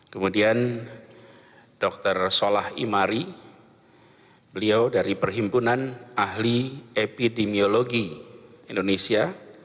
kemudian dr solah imari beliau dari perhimpunan ahli epidemiologi indonesia